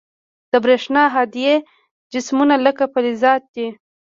د برېښنا هادي جسمونه لکه فلزات دي.